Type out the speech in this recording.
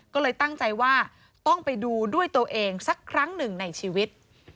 ก็เลยตั้งใจว่าต้องไปดูด้วยตัวเองสักครั้งหนึ่งในชีวิต